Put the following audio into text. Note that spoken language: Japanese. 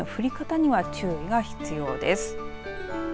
雨の降り方には注意が必要です。